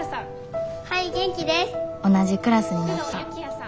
同じクラスになった。